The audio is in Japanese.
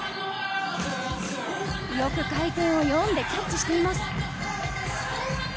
よく回転を読んでキャッチしています。